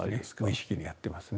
無意識にやってますね。